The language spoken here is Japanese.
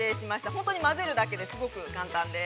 本当に混ぜるだけで、すごく簡単です。